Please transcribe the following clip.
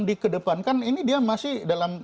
dikedepankan ini dia masih dalam